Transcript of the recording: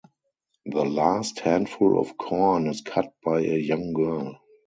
The last handful of corn is cut by a young girl.